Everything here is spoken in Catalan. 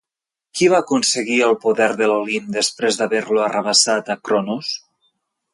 Qui va aconseguir el poder de l'Olimp després d'haver-lo arrabassat a Cronos?